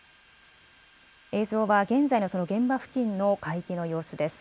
映像は、現在のその現場付近の海域の様子です。